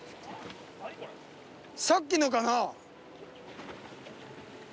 さっきのかな？